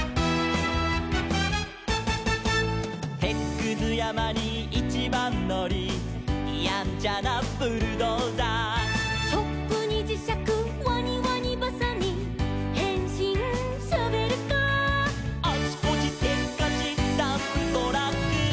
「てつくずやまにいちばんのり」「やんちゃなブルドーザー」「チョップにじしゃくワニワニばさみ」「へんしんショベルカー」「あちこちせっかちダンプトラック」